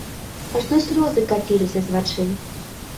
Ажно слёзы каціліся з вачэй.